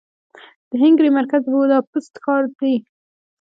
د هنګري مرکز د بوداپست ښار دې.